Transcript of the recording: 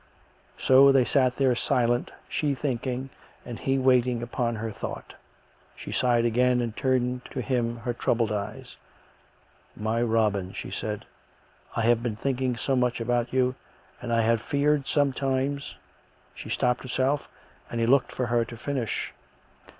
So they sat there silent, she thinking and he waiting upon her thought. She sighed again and turned to him her troubled eyes. " My Robin," she s'aid, " I have been thinking so much about you, and I have feared sometimes " She stopped herself, and he looked for her to finish.